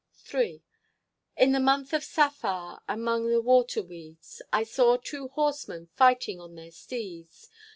_ III In the month of Saffar Among the water weeds I saw two horsemen _Fighting on their steeds.